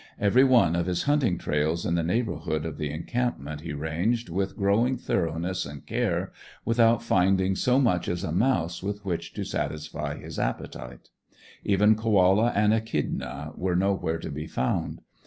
Every one of his hunting trails in the neighbourhood of the encampment he ranged with growing thoroughness and care, without finding so much as a mouse with which to satisfy his appetite. Even Koala and Echidna were nowhere to be found.